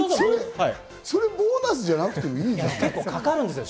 それボーナスじゃなくていいでしょ？